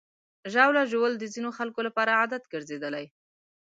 ژاوله ژوول د ځینو خلکو لپاره عادت ګرځېدلی.